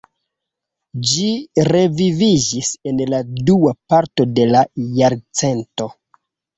Ĝi reviviĝis en la dua parto de la jarcento.